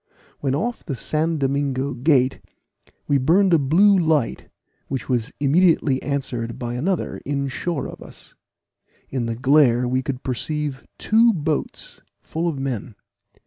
When off the San Domingo Gate, we burned a blue light, which was immediately answered by another in shore of us. In the glare we could perceive two boats, full of men.